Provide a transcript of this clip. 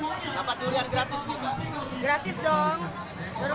dorong dorongan dari juga ya kan